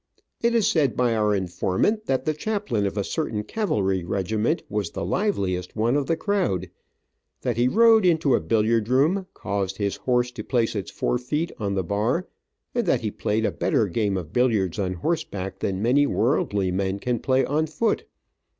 It is said by our informant that the chaplain of a certain cavalry regiment was the liveliest one of the crowd, that he rode into a billiard room, caused his horse to place its forefeet on the bar, and that he played a better game of billiards on horseback than many worldly men can play on foot.